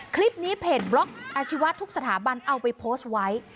คลิปนี้เพจบล็อกอาชีวะทุกสถาบันเอาไปโพสต์ไว้